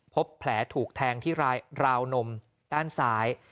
พบแผลถูกแทงที่ราวนมด้านซ้าย